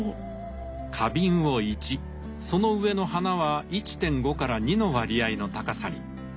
花瓶を１その上の花は１．５から２の割合の高さに。